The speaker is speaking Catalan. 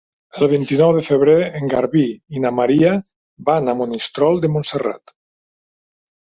El vint-i-nou de febrer en Garbí i na Maria van a Monistrol de Montserrat.